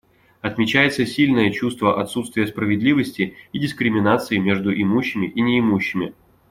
Отмечается сильное чувство отсутствия справедливости и дискриминации между имущими и неимущими.